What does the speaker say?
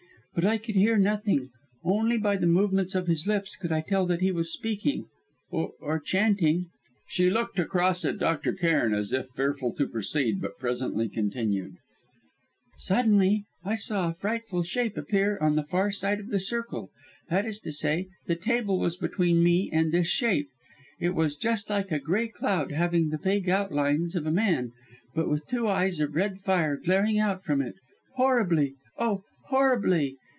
But I could hear nothing; only by the movements of his lips, could I tell that he was speaking or chanting." She looked across at Dr. Cairn as if fearful to proceed, but presently continued: "Suddenly, I saw a frightful shape appear on the far side of the circle; that is to say, the table was between me and this shape. It was just like a grey cloud having the vague outlines of a man, but with two eyes of red fire glaring out from it horribly oh! horribly!